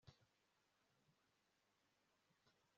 Kandi ntihakagombye kubaho gukurikiza amategeko